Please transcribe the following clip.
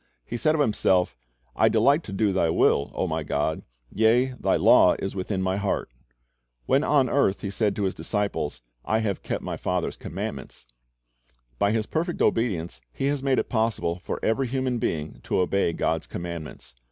He said of Himself, "I delight to do Thy will, O My God; yea, Thy law is within My heart.'" When on earth He said to His disciples, "I have kept My Father's commandments."^ By His perfect obedience He has make it possible for every human being to obey God's commandments.